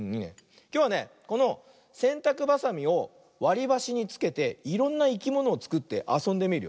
きょうはねこのせんたくばさみをわりばしにつけていろんないきものをつくってあそんでみるよ。